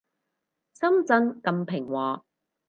深圳咁平和